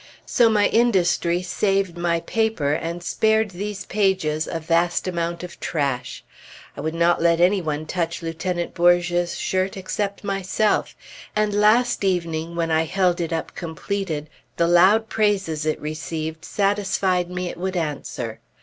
So my industry saved my paper and spared these pages a vast amount of trash. I would not let any one touch Lieutenant Bourge's shirt except myself; and last evening, when I held it up completed, the loud praises it received satisfied me it would answer.